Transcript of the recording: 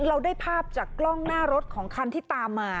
เราได้ภาพจากกล้องหน้ารถของคันที่ตามมา